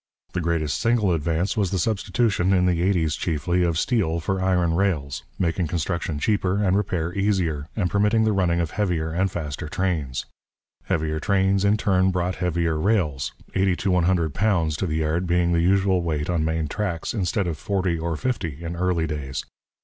The greatest single advance was the substitution, in the eighties chiefly, of steel for iron rails, making construction cheaper and repair easier, and permitting the running of heavier and faster trains. Heavier trains in turn brought heavier rails, eighty to one hundred pounds to the yard being the usual weight on main tracks, instead of forty or fifty in early days.